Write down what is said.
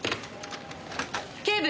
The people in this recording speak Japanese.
警部！